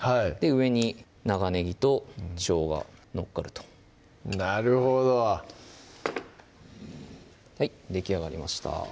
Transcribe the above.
上に長ねぎとしょうが載っかるとなるほどはいできあがりました